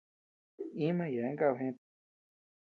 Íma yeabean kaba gët.